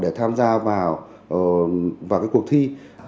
để tham gia vào cuộc thi